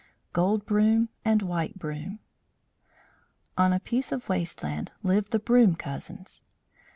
GOLD BROOM AND WHITE BROOM On a piece of waste land lived the Broom cousins.